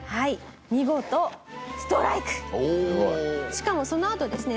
しかもそのあとですね